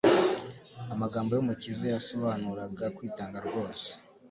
Amagambo y'Umukiza yasobanuraga kwitanga rwose.